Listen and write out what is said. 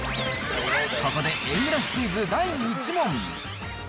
ここで円グラフクイズ第１問。